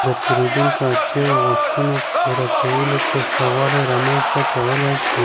-د پېرېدونکو اړتیاو او غوښتنو پوره کولو کې ښه والی رامنځته کولای شئ